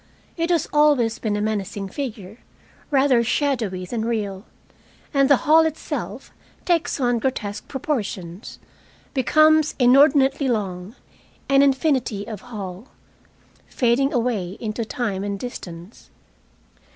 It has always been a menacing figure, rather shadowy than real. And the hail itself takes on grotesque proportions, becomes inordinately long, an infinity of hall, fading away into time and distance.